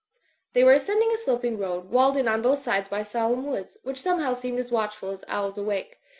They were ascending a sloping road, walled in on both sides by solemn woods, which somehow seemed as watchful as owls awake.